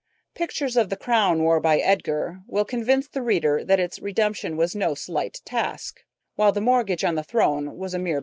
Pictures of the crown worn by Edgar will convince the reader that its redemption was no slight task, while the mortgage on the throne was a mere bagatelle.